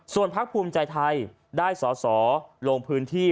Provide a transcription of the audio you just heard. ส่วนพักภูมิใจไทยได้สอสอลงพื้นที่